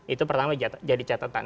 itu pertama jadi catatan